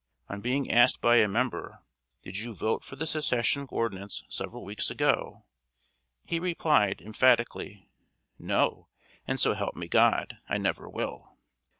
On being asked by a member "Did you vote for the Secession ordinance several weeks ago?" he replied, emphatically: "No; and, so help me God, I never will!"